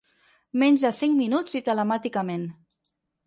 Menys de cinc minuts i telemàticament.